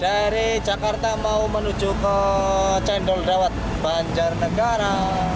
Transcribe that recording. dari jakarta mau menuju ke candolawat banjarnegara